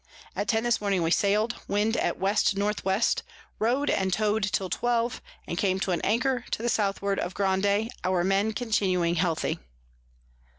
At ten this morning we sail'd, Wind at W N W. row'd and tow'd till twelve, and came to an Anchor to the Southward of Grande, our Men continuing healthy.